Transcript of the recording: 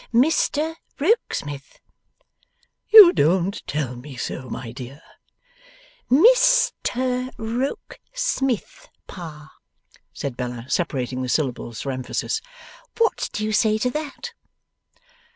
'Mr Rokesmith.' 'You don't tell me so, my dear!' 'Mis ter Roke smith, Pa,' said Bella separating the syllables for emphasis. 'What do you say to THAT?